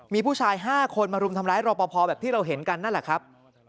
มีผู้ชาย๕คนมารุมทำร้ายรอปภแบบที่เราเห็นกันนั่นแหละครับ